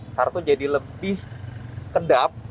sekarang tuh jadi lebih kedap